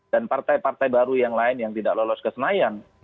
dan partai partai baru yang lain yang tidak lolos ke senayan